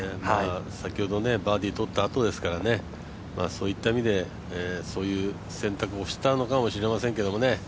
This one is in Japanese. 先ほどバーディー取ったあとですから、そういった意味でそういう選択をしたのかもしれませんけどね。